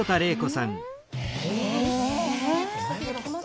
え？